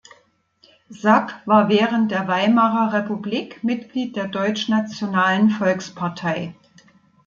Sack war während der Weimarer Republik Mitglied der Deutschnationalen Volkspartei.